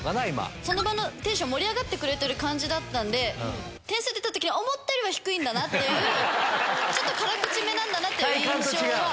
その場のテンション盛り上がってくれてる感じだったので、点数出たときに、思ったよりは低いんだなっていう、ちょっと辛口めなんだなっていう印象は。